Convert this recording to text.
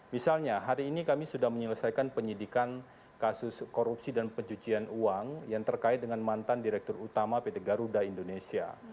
misalnya hari ini kami sudah menyelesaikan penyidikan kasus korupsi dan pencucian uang yang terkait dengan mantan direktur utama pt garuda indonesia